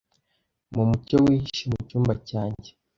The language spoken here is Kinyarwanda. Mu mucyo wihishe mucyumba cyanjye.